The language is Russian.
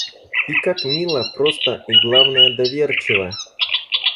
И как мило, просто и, главное, доверчиво!